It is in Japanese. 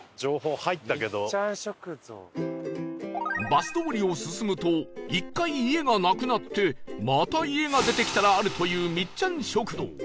バス通りを進むと１回家がなくなってまた家が出てきたらあるというみっちゃん食堂